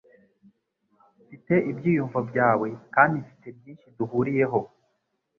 Mfite ibyiyumvo byawe kandi mfite byinshi duhuriyeho.